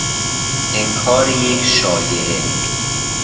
انکار یک شایعه